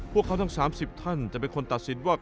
พวกเขาทั้ง๓๐ท่านจะเป็นคนตัดสินว่า